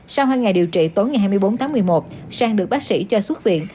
sau hai ngày điều trị tối ngày hai mươi bốn tháng một mươi một sang được bác sĩ cho xuất viện